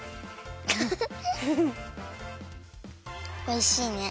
おいしいね。